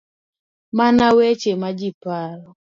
Mana weche ma ji paro.